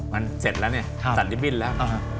มันเสร็จแล้วเนี่ยสันนิบิ้นแล้ว